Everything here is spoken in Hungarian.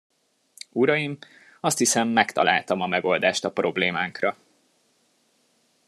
Uraim, azt hiszem, megtaláltam a megoldást a problémánkra.